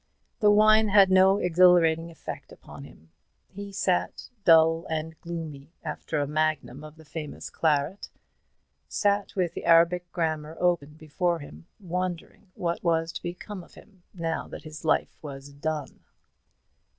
The wine had no exhilarating effect upon him; he sat dull and gloomy after a magnum of the famous claret sat with the Arabic grammar open before him, wondering what was to become of him, now that his life was done.